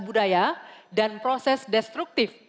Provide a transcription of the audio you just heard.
budaya dan proses destruktif